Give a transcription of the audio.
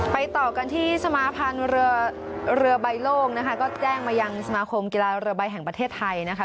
ต่อกันที่สมาพันธ์เรือใบโล่งนะคะก็แจ้งมายังสมาคมกีฬาเรือใบแห่งประเทศไทยนะคะ